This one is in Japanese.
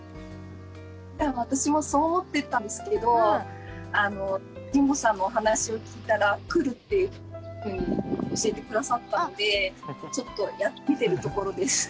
私もそう思ってたんですけどあの神保さんのお話を聞いたら来るっていうふうに教えて下さったのでちょっとやってみてるところです。